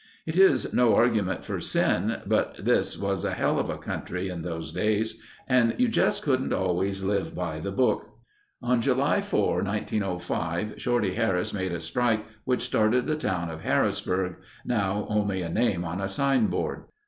"It is no argument for sin, but this was a hell of a country in those days and you just couldn't always live by the Book." On July 4, 1905 Shorty Harris made the strike which started the town of Harrisburg, now only a name on a signboard.